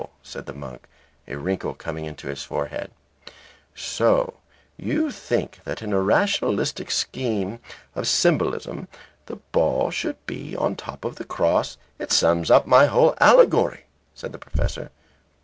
said the monk, a wrinkle coming into his forehead, "so you think that in a rationalistic scheme of symbolism the ball should be on top of the cross?" "It sums up my whole allegory," said the professor.